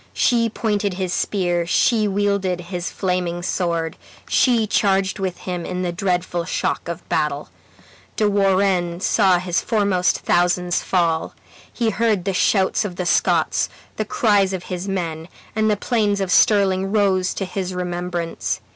She pointed his spear, she wielded his flaming sword, she charged with him in the dreadful shock of battle. De Warenne saw his foremost thousands fall. He heard the shouts of the Scots, the cries of his men, and the plains of Stirling rose to his remembrance.